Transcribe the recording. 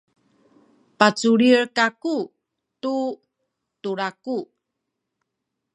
paculil kaku tu tulaku.